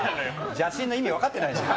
邪心の意味分かってないでしょ。